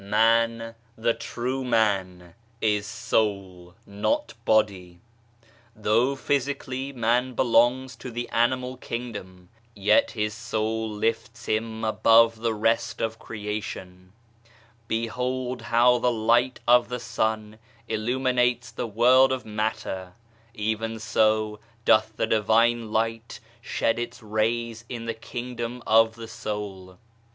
Man the true man is soul, not body; though physically man belongs to the animal kingdom, yet his soul lifts him above the rest of creation. Behold how the light of the sun illuminates the world of matter : even so doth the Divine Light shed its rays in the king dom of the soul.